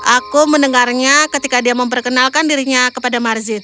aku mendengarnya ketika dia memperkenalkan dirinya kepada marzud